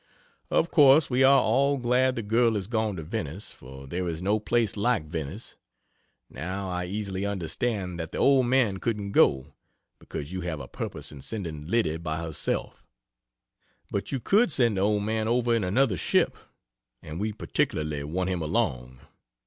Of course we are all glad the girl is gone to Venice for there is no place like Venice. Now I easily understand that the old man couldn't go, because you have a purpose in sending Lyddy by herself: but you could send the old man over in another ship, and we particularly want him along.